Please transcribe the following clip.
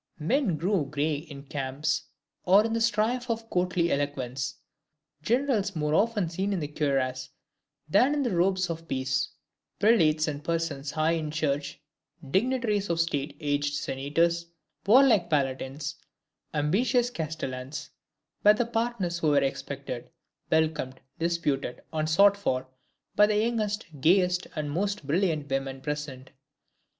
Men grown gray in camps, or in the strife of courtly eloquence; generals more often seen in the cuirass than in the robes of peace; prelates and persons high in the Church; dignitaries of State aged senators; warlike palatines; ambitious castellans; were the partners who were expected, welcomed, disputed and sought for, by the youngest, gayest, and most brilliant women present.